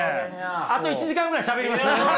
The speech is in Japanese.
あと１時間ぐらいしゃべります？